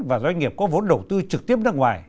và doanh nghiệp có vốn đầu tư trực tiếp nước ngoài